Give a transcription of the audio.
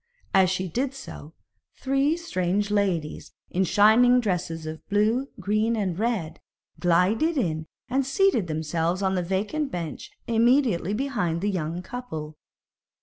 As she did so, three strange ladies in shining dresses of blue, green, and red, glided in and seated themselves on a vacant bench immediately behind the young couple.